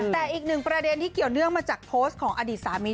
แต่อีกหนึ่งประเด็นที่เกี่ยวเนื่องมาจากโพสต์ของอดีตสามี